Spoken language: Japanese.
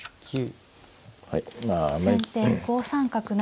先手５三角成。